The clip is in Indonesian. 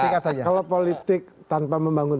kalau politik tanpa membangun